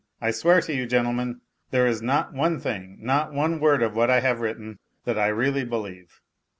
I swear to you, gentlemen, there is not one thing, not one word of what I have written that I really believe.